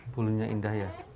bulunya indah ya